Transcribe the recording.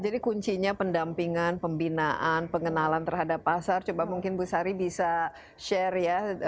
jadi kuncinya pendampingan pembinaan pengenalan terhadap pasar coba mungkin bu sari bisa share ya